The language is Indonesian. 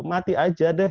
mati saja deh